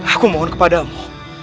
aku mohon kepadamu